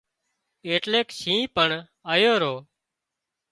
ايٽليڪ شِينهن پڻ آيو رو